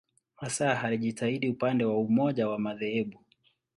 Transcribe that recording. Hasa alijitahidi upande wa umoja wa madhehebu.